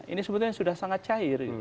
ini sebetulnya sudah sangat cair